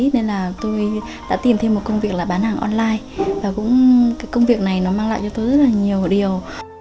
nên là tôi đã tìm thêm một công việc là bán hàng online và cái công việc này nó mang lại cho tôi rất là nhiều điều